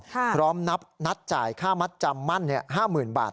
พร้อมนับนัดจ่ายค่ามัดจำมั่น๕๐๐๐บาท